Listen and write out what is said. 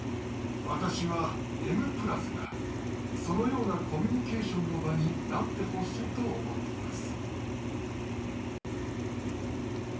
私は「Ｍ＋」がそのようなコミュニケーションの場になってほしいと思っています。